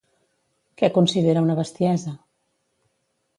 Què considera una bestiesa?